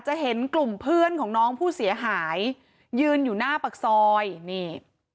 เห็นกลุ่มเพื่อนของน้องผู้เสียหายยืนอยู่หน้าปากซอยนี่